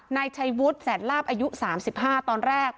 นายชัยวุฒิแสนลาบอายุ๓๕ตอนแรก